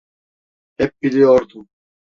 Hep biliyordum.